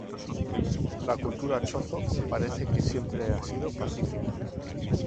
La cultura Chozo parece que siempre ha sido pacífica.